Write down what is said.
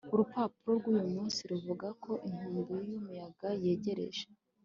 Urupapuro rwuyu munsi ruvuga ko inkubi yumuyaga yegereje